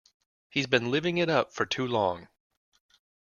He's been living it up for too long.